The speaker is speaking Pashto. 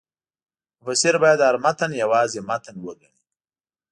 مفسر باید هر متن یوازې متن وګڼي.